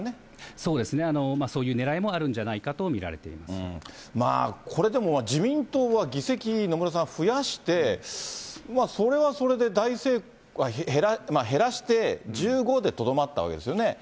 そうですね、そういうねらいもあるんじゃないかと見られていこれでも自民党は議席、野村さん、増やして、それはそれで、大成功、減らして、１５でとどまったわけですよね。